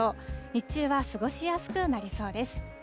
日中は過ごしやすくなりそうです。